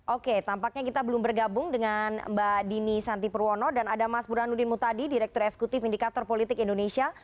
oke tampaknya kita belum bergabung dengan mbak dini santi purwono dan ada mas burhanuddin mutadi direktur eksekutif indikator politik indonesia